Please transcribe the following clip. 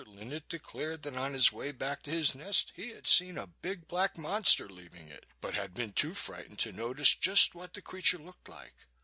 Linnet declared that on his way back to his nest he had seen a big black monster leaving it, but had been too frightened to notice just what the creature looked like.